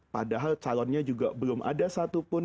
padahal calonnya juga belum ada satupun